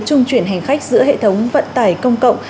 trung chuyển hành khách giữa hệ thống vận tải công cộng